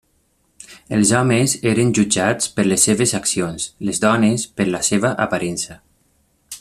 Els homes eren jutjats per les seves accions, les dones per la seva aparença.